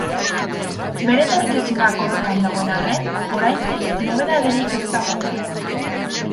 Bere etorkizuna kolokan dagoen arren, oraingoz nobedaderik ez dago.